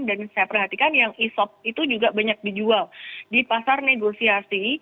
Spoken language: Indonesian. dan saya perhatikan yang e shop itu juga banyak dijual di pasar negosiasi